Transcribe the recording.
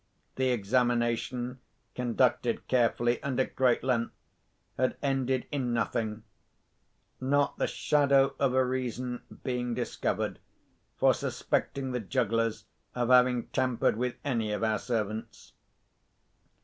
The examination, conducted carefully, and at great length, had ended in nothing; not the shadow of a reason being discovered for suspecting the jugglers of having tampered with any of our servants.